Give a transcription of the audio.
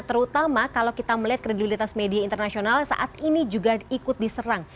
terutama kalau kita melihat kredibilitas media internasional saat ini juga ikut diserang